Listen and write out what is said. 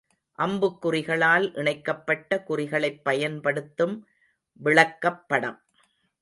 அம்புக்குறிகளால் இணைக்கப்பட்ட குறிகளைப் பயன்படுத்தும் விளக்கப்படம்.